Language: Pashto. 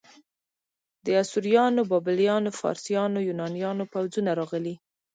د اسوریانو، بابلیانو، فارسیانو، یونانیانو پوځونه راغلي.